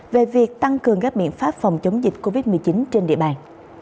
về việc tăng cường các biện pháp phòng chống dịch covid một mươi chín trên địa bàn